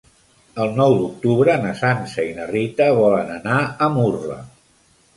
El nou d'octubre na Sança i na Rita volen anar a Murla.